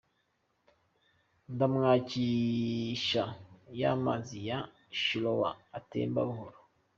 Ndamwakisha ya mazi ya Shilowa atemba buhoro.